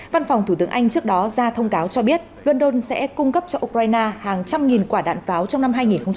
văn phòng thủ tướng anh trước đó ra thông cáo cho biết london sẽ cung cấp cho ukraine hàng trăm nghìn quả đạn pháo trong năm hai nghìn hai mươi